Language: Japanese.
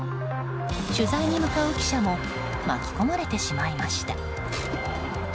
取材に向かう記者も巻き込まれてしまいました。